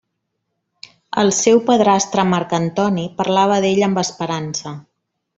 El seu padrastre Marc Antoni parlava d'ell amb esperança.